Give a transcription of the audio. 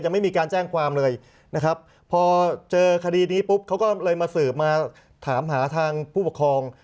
ไม่มีการแจ้งความเลยนะครับพอเจอคดีนี้ปุ๊บเขาก็เลยมาสืบมาถามหาทางผู้ปกครอง